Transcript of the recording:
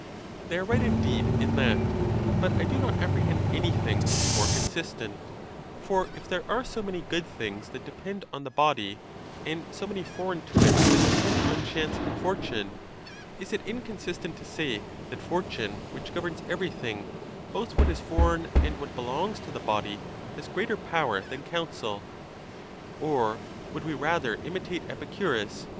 They are right, indeed, in that; but I do not ap prehend anything could be more consistent, for if there are so many good things that depend on the body, and so many foreign to it that depend on chance and fortune, is it inconsistent to say that fortune, which governs every thing, both what is foreign and what belongs to the body, has greater power than counsel. Or would we rather im itate Epicurus?